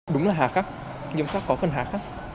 đúng là hạ khắc nghiêm khắc có phần hạ khắc